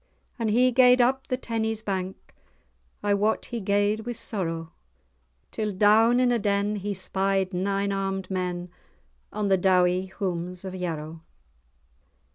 As he gaed up the Tennies bank I wot he gaed with sorrow, Till down in a den he spied nine armed men, On the dowie houms of Yarrow.